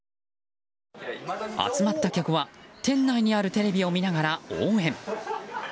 集まった客は店内にあるテレビを見ながら応援。